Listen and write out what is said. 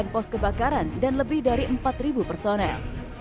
satu ratus tiga puluh sembilan pos kebakaran dan lebih dari empat personel